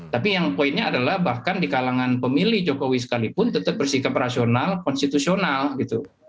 tapi yang poinnya adalah bahkan di kalangan pemilih jokowi sekalipun tetap bersikap rasional konstitusional gitu